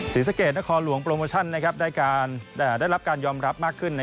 ศรีสะเกดนครหลวงโปรโมชั่นได้รับการยอมรับมากขึ้น